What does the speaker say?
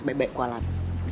baik baik gue alat